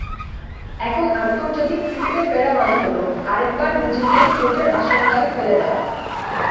এখন আন্তর্জাতিক ক্রিকেটে ফেরা মানে হলো আরেকবার নিজেকে চোটের আশঙ্কায় ফেলে দেওয়া।